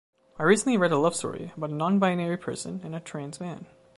I recently read a love story about a non-binary person and a trans man.